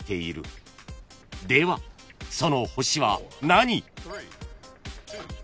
［ではその星は何？］